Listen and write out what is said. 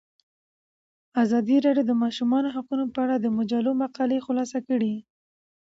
ازادي راډیو د د ماشومانو حقونه په اړه د مجلو مقالو خلاصه کړې.